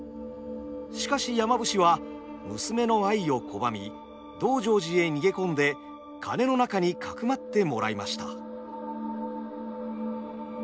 しかし山伏は娘の愛を拒み道成寺へ逃げ込んで鐘の中にかくまってもらいました。